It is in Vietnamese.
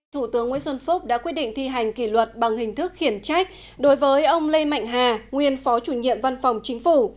thủ tướng nguyễn xuân phúc đã quyết định thi hành kỷ luật bằng hình thức khiển trách đối với ông lê mạnh hà nguyên phó chủ nhiệm văn phòng chính phủ